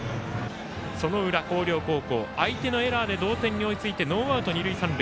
その裏、広陵高校相手のエラーで同点に追いついてノーアウト、二塁三塁。